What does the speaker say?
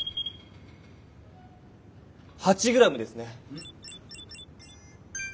８ｇですね。